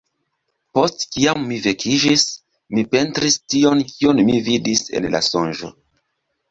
Post kiam mi vekiĝis, mi pentris tion, kion mi vidis en la sonĝo.